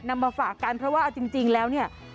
มาฝากกันเพราะว่าเอาจริงแล้วเนี่ย